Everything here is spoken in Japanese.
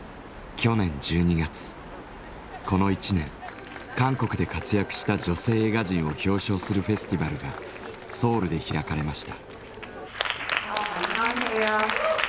去年１２月この１年韓国で活躍した女性映画人を表彰するフェスティバルがソウルで開かれました。